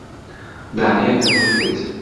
دانەیەکم ون کرد.